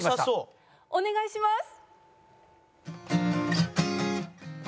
お願いします！